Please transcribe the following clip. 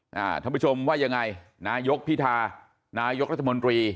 ท่านผู้ชมว่ายังไงนายกพิธานายกรัฐมนตรี